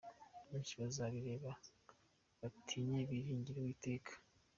Benshi bazabireba batinye, biringire Uwiteka.